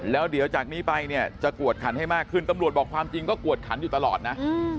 แล้วเดี๋ยวจากนี้ไปเนี่ยจะกวดขันให้มากขึ้นตำรวจบอกความจริงก็กวดขันอยู่ตลอดนะ